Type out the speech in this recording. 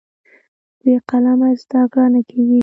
بې قلمه زده کړه نه کېږي.